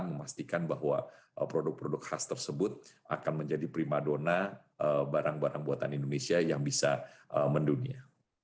memastikan bahwa produk produk khas tersebut akan menjadi prima dona barang barang buatan indonesia yang bisa mendunia